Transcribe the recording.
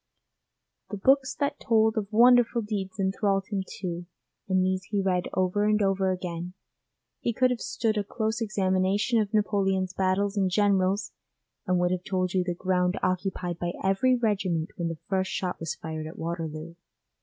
The books that told of wonderful deeds enthralled him too, and these he read over and over again. He could have stood a close examination of Napoleon's battles and generals, and would have told you the ground occupied by every regiment when the first shot was fired at Waterloo.